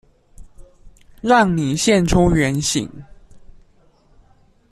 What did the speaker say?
讓你現出原形！